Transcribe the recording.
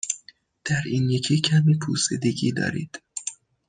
در این یکی کمی پوسیدگی دارید.